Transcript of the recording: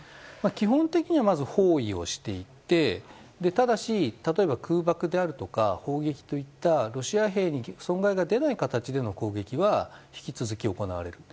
基本的にはまず包囲していってただし、例えば空爆であるとか砲撃といったロシア兵に損害が出ない形での攻撃は引き続き行われる。